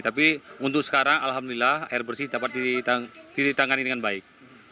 tapi untuk sekarang alhamdulillah air bersih dapat ditangani dengan baik